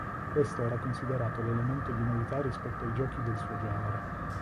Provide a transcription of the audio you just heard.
Questo era considerato l'elemento di novità rispetto ai giochi del suo genere.